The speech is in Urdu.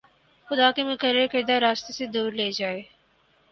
خدا کے مقرر کردہ راستے سے دور لے جائے